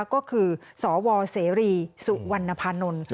ก็คือสวเสรีสุวรรณภานนท์